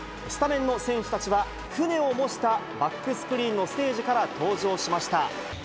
スタメンの選手たちは、船を模したバックスクリーンのステージから登場しました。